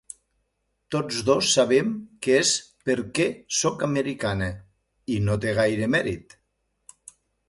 Tots dos sabem que és perquè soc americana, i no té gaire mèrit.